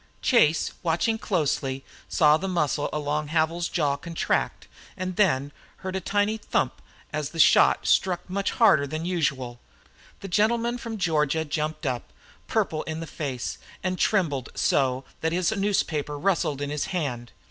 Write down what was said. Chase, watching closely, saw the muscle along Havil's jaw contract, and then he heard a tiny thump as the shot struck much harder than usual. The gentleman from Georgia jumped up, purple in the face, and trembled so that his newspaper rustled in his hand.